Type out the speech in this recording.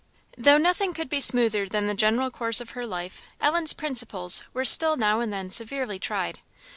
Though nothing could be smoother than the general course of her life, Ellen's principles were still now and then severely tried.